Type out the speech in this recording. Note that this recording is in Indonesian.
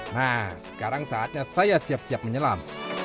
nah sekarang saatnya saya siap siap menyelam